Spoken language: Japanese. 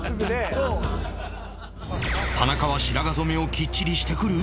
田中は白髪染めをキッチリしてくる？